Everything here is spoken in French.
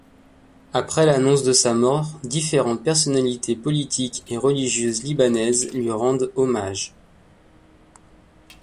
Après l'annonce de sa mort différentes personnalités politiques et religieuses libanaises lui rendent hommage.